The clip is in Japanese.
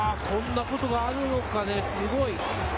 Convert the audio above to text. こんなことがあるのかね、すごい。